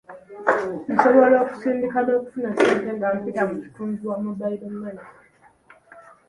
Nsobola okusindika n'okufuna ssente nga mpita mu kitunzi wa Mobile Money.